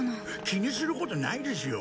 気にすることないですよ。